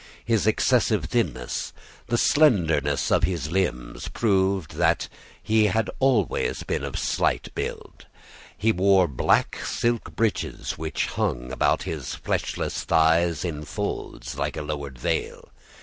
His excessive thinness, the slenderness of his limbs, proved that he had always been of slight build. He wore black silk breeches which hung about his fleshless thighs in folds, like a lowered veil.